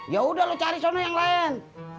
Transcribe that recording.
ya udah lo cari sana yang lain